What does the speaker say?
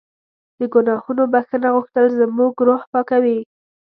د ګناهونو بښنه غوښتل زموږ روح پاکوي.